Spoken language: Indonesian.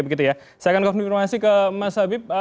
saya akan konfirmasi ke mas habib